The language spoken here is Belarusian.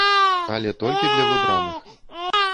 Але толькі для выбраных.